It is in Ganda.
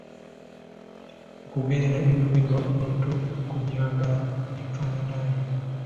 Okugerera ebyogerwa omuntu ku nnyambala / enfaanana ye .